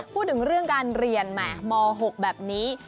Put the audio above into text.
พูดถึงเรื่องการเรียนแหมม๖แบบนี้